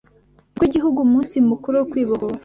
rw’Igihugu umunsi mukuru wo Kwibohora